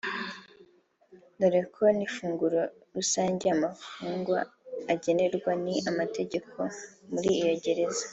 dore ko n’ ifunguro rusange umufungwa agenerwa n’ amategeko muri iyo Gereza